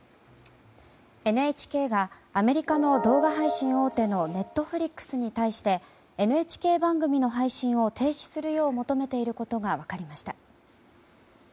ＮＨＫがアメリカの動画配信大手のＮｅｔｆｌｉｘに対してＮＨＫ番組の配信を停止するよう求めていることが分かりました。